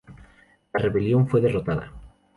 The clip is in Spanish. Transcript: La rebelión fue derrotada.